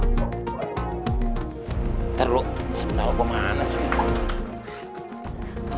nanti lu bisa tahu gue mana sih